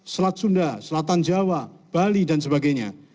selat sunda selatan jawa bali dan sebagainya